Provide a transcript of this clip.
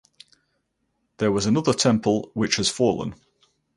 There was another temple which has fallen.